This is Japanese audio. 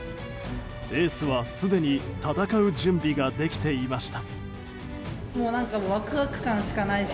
エースは、すでに戦う準備ができていました。